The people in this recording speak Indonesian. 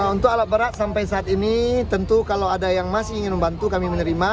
untuk alat berat sampai saat ini tentu kalau ada yang masih ingin membantu kami menerima